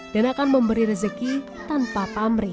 dan akan memberi rezeki tanpa pamrih